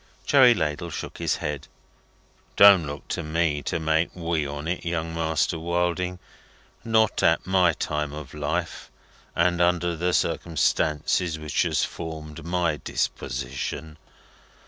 Joey Ladle shook his held. "Don't look to me to make we on it, Young Master Wilding, not at my time of life and under the circumstances which has formed my disposition.